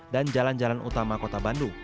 dan jalan jalan utama kota bandung